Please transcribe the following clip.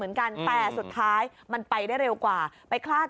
มันกลับมาที่สุดท้ายแล้วมันกลับมาที่สุดท้ายแล้ว